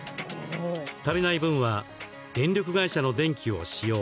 足りない分は電力会社の電気を使用。